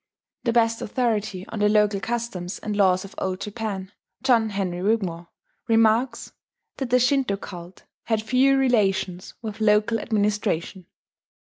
The best authority on the local customs and laws of Old Japan, John Henry Wigmore, remarks that the Shinto cult had few relations with local administration.